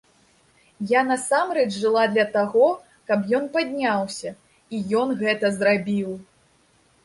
Я насамрэч жыла для таго, каб ён падняўся, і ён гэта зрабіў.